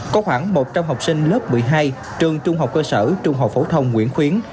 có khoảng một trăm linh học sinh lớp một mươi hai trường trung học cơ sở trung học phổ thông nguyễn khuyến